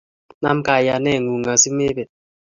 Nam kayanet ng'ung' asimebet